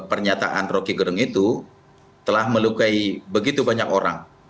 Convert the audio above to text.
pernyataan roky gerung itu telah melukai begitu banyak orang